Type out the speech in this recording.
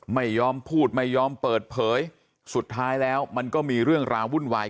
ไม่ยอมพูดไม่ยอมเปิดเผยสุดท้ายแล้วมันก็มีเรื่องราววุ่นวาย